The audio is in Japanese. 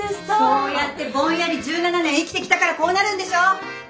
そうやってぼんやり１７年生きてきたからこうなるんでしょ！